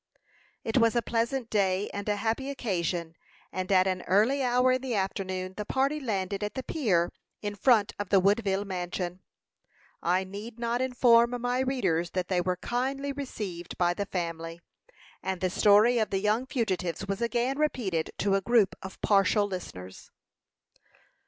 It was a pleasant day and a happy occasion, and at an early hour in the afternoon, the party landed at the pier in front of the Woodville mansion. I need not inform my readers that they were kindly received by the family; and the story of the young fugitives was again repeated to a group of partial listeners.